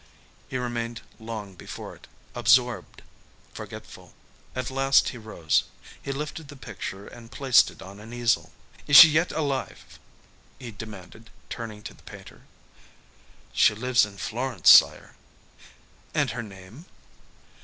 He remained long before it, absorbed, forgetful. At last he rose. He lifted the picture and placed it on an easel. "Is she yet alive?" he demanded, turning to the painter. "She lives in Florence, sire." "And her name?"